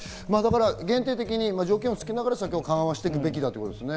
限定的に条件をつけながら緩和していくべきだということですね。